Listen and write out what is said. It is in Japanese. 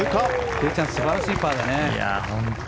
圭ちゃん素晴らしいパーだね。